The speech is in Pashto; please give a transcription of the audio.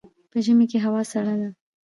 په ژمي کې هوا سړه وي